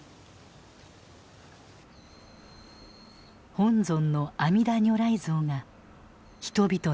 本尊の阿弥陀如来像が人々の悩み